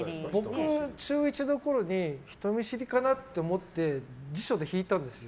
僕、中１のころに人見知りかなと思って辞書で引いたんですよ。